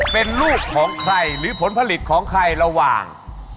เป็นลูกของใครหรือผลผลิตของใครระหว่าง